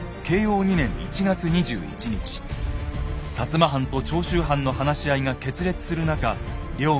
摩藩と長州藩の話し合いが決裂する中龍馬が登場。